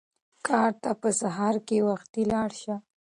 کار ته په سهار کې وختي لاړ شه.